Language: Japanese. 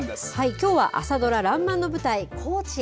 きょうは朝ドラ、らんまんの舞台、高知へ。